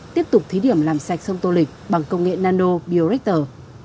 tiếp tục thí điểm làm sạch sông tô lịch bằng công nghệ nano biorector